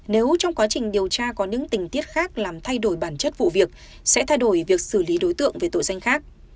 nếu trong quá trình điều tra có những tình tiết khác làm thay đổi bản chất vụ việc sẽ thay đổi việc xử lý đối tượng về tội danh khác